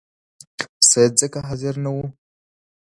سید ځکه حاضر نه وو.